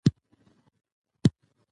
په همدا خاطر ما د پښتو ګړدود پوهنې